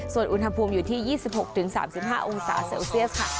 ส่วนอุณหภูมิอยู่ที่๒๖๓๕องศาเซลเซียสค่ะ